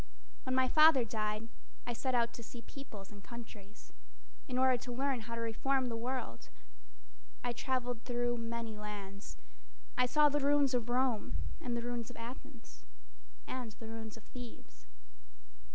When my father died, I set out to see peoples and countries In order to learn how to reform the world. I traveled through many lands. I saw the ruins of Rome And the ruins of Athens, And the ruins of Thebes.